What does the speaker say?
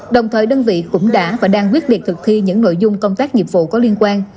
đồng thời đơn vị cũng đã và đang quyết liệt thực thi những nội dung công tác nghiệp vụ có liên quan